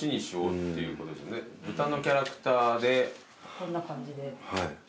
こんな感じで。